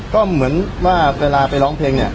ก็เหมือนว่าเวลาไปร้องเพลงเนี่ย